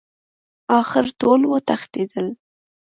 اخر ټول وتښتېدل.